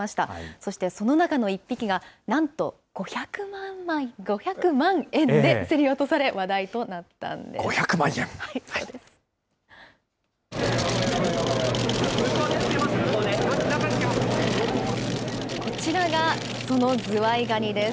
そしてその中の１匹が、なんと、５００万円で競り落とされ、話題となったんです。